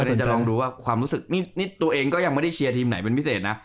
เดี๋ยวจะลองดูว่าความรู้สึกนี่ตัวเองก็ยังไม่ได้เชียร์ทีมไหนเป็นพิเศษนะ